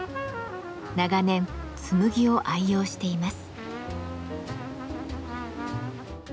長年紬を愛用しています。